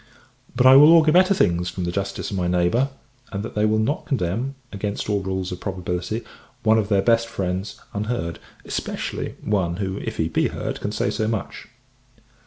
But I will augur better things from the justice of my neighbour; and that they will not condemn, against all rules of probability, one of their best friends, unheard: especially, one who, if he be heard, can say so much.